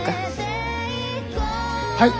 はい。